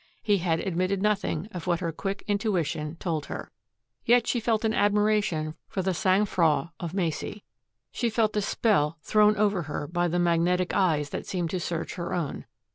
He had admitted nothing of what her quick intuition told her. Yet she felt an admiration for the sang froid of Macey. She felt a spell thrown over her by the magnetic eyes that seemed to search her own.